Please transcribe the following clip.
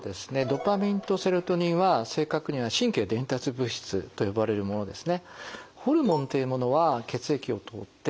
ドパミンとセロトニンは正確には神経伝達物質と呼ばれるものですね。